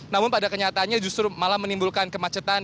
namun pada kenyataannya justru malah menimbulkan kemacetan